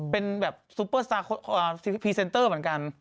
เป็นแบบซุปเปอร์พรีเซนเตอร์เหมือนกัน